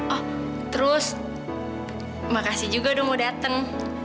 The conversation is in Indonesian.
oh terus makasih juga udah mau datang